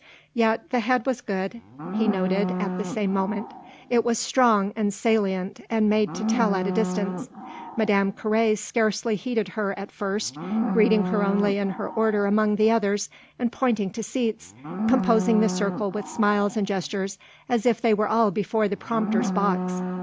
Yet the head was good, he noted at the same moment; it was strong and salient and made to tell at a distance. Madame Carré scarcely heeded her at first, greeting her only in her order among the others and pointing to seats, composing the circle with smiles and gestures, as if they were all before the prompter's box.